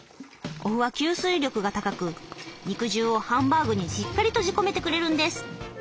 お麩は吸水力が高く肉汁をハンバーグにしっかり閉じ込めてくれるんです。